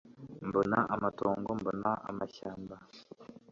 mbona amatongo Mbona amashyamba